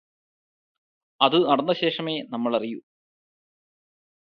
അത് നടന്ന ശേഷമേ നമ്മളറിയൂ